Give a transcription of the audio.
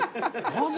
マジ？